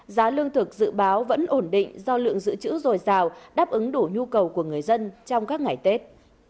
giá lương thực dự báo vẫn ổn định do lượng dự trữ dồi dào đáp ứng đủ nhu cầu của người dân trong các ngày tết